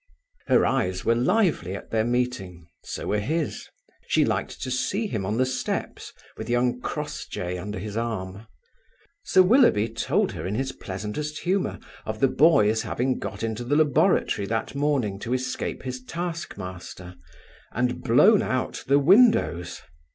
Her eyes were lively at their meeting so were his. She liked to see him on the steps, with young Crossjay under his arm. Sir Willoughby told her in his pleasantest humour of the boy's having got into the laboratory that morning to escape his task master, and blown out the windows.